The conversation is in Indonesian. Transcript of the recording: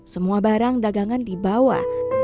semua barang dagangan dibawa